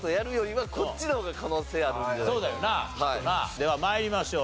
では参りましょう。